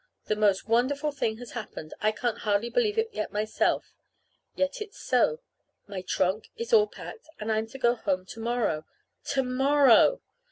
The most wonderful thing has happened. I can't hardly believe it yet myself. Yet it's so. My trunk is all packed, and I'm to go home to morrow. _To morrow!